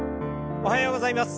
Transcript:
おはようございます。